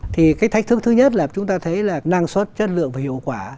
thì cái thách thức thứ nhất là chúng ta thấy là năng suất chất lượng và hiệu quả